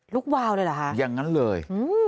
วาวเลยเหรอคะอย่างนั้นเลย